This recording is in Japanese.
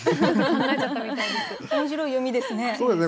面白い読みですね。